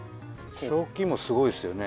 賞金すごいですよね。